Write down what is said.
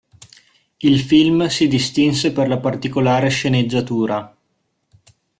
Il film si distinse per la particolare sceneggiatura.